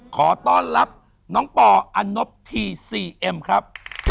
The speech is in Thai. ขอต้อนรับน้องปออันนบทีซีเอ็มครับ